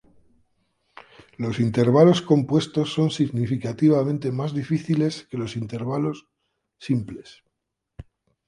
Los intervalos compuestos son significativamente más difíciles que los intervalos simples.